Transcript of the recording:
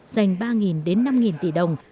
dành ba đến năm tỷ đồng